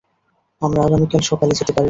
আমরা আগামীকাল সকালে যেতে পারি।